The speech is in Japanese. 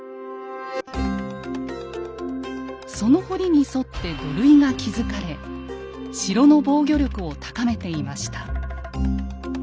その堀に沿って土塁が築かれ城の防御力を高めていました。